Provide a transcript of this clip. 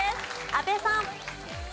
阿部さん。